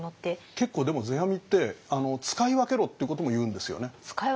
結構でも世阿弥って使い分けろってことも言うんですよね。